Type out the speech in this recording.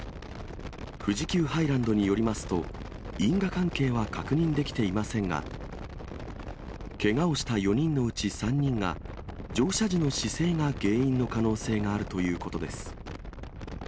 富士急ハイランドによりますと、因果関係は確認できていませんが、けがをした４人のうち３人が、乗車時の姿勢が原因の可能性があるということです。